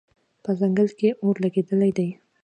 په ځنګل کې اور لګېدلی دی